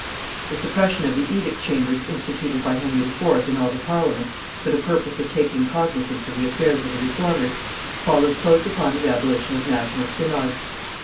The suppression of the edict chambers instituted by Henry IV. in all the Parliaments for the purpose of taking cognizance of the affairs of the Reformers followed close upon the abolition of national synods.